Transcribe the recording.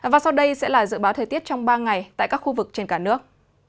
và sau đây sẽ là dự báo thời tiết trong ba ngày tại các khu vực trên cả nước